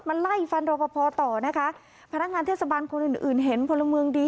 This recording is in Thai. ไล่ฟันรอปภต่อนะคะพนักงานเทศบาลคนอื่นอื่นเห็นพลเมืองดี